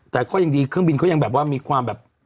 แต่ก็ยังดีเครื่องบินเขายังแบบว่ามีความแบบ